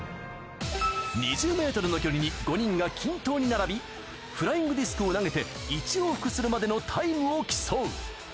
２０メートルの距離に５人が均等に並び、フライングディスクを投げて、１往復するまでのタイムを競う。